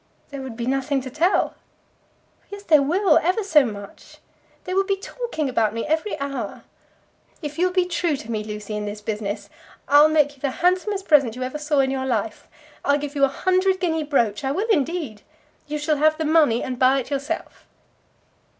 "There would be nothing to tell." "Yes, there will; ever so much. They will be talking about me every hour. If you'll be true to me, Lucy, in this business, I'll make you the handsomest present you ever saw in your life. I'll give you a hundred guinea brooch; I will, indeed. You shall have the money, and buy it yourself."